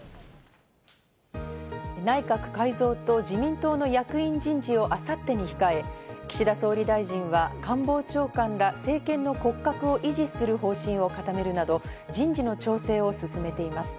内閣改造と自民党の役員人事を明後日に控え、岸田総理大臣は官房長官ら政権の骨格を維持する方針を固めるなど人事の調整を進めています。